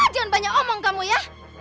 jangan banyak ngomong kamu ya